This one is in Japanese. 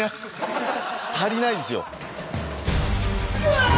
足りないですよ。